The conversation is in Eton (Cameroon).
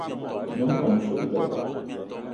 Nyom ngón o so bi beba.